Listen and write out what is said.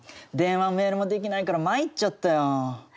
電話もメールもできないからまいっちゃったよ。